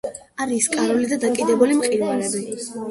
არის კარული და დაკიდებული მყინვარები.